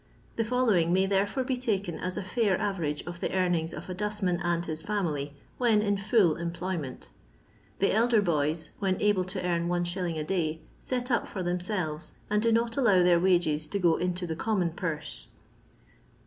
The ibllawing may therefore be taken aa a fair average of the earnings of a dustman and his £unily wken t» JuU trnphpnenL The elder boys when able to earn Is. a day set up for them selves, and do not allow their 'wages to go into the eommon purse.